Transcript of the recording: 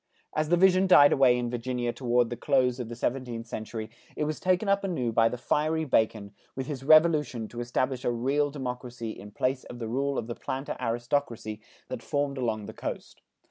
As the vision died away in Virginia toward the close of the seventeenth century, it was taken up anew by the fiery Bacon with his revolution to establish a real democracy in place of the rule of the planter aristocracy, that formed along the coast.